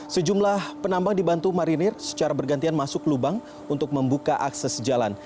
sejumlah penambang dibantu marinir secara bergantian masuk lubang untuk membuka akses jalan